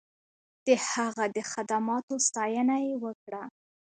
د هغه د خدماتو ستاینه یې وکړه.